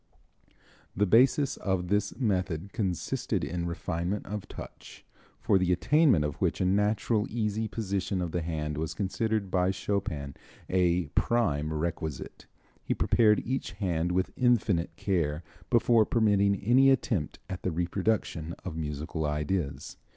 The basis of this method consisted in refinement of touch, for the attainment of which a natural, easy position of the hand was considered by Chopin a prime requisite. He prepared each hand with infinite care before permitting any attempt at the reproduction of musical ideas.